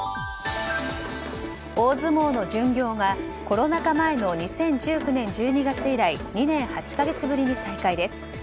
大相撲の巡業がコロナ禍前の２０１９年１２月以来２年８か月ぶりに再開です。